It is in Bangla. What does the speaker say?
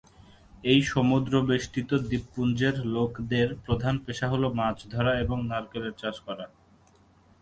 এই সমুদ্র বেষ্টিত দ্বীপপুঞ্জের লোকদের প্রধান পেশা হল মাছ ধরা এবং নারকেলের চাষ করা।